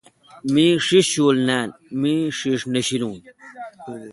می ݭیݭ شوُل نان۔۔۔۔می ݭیݭ نہ شیلون